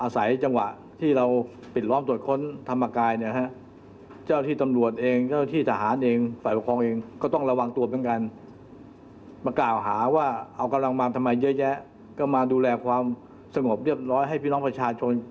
สงบเรียบร้อยให้พี่น้องประชาชน